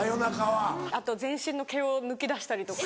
あと全身の毛を抜き出したりとか。